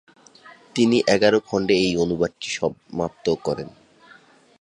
তিনি এগারো খণ্ডে এই অনুবাদটি সমাপ্ত করেন।